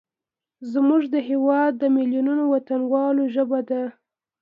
زموږ د هیواد میلیونونو وطنوالو ژبه ده.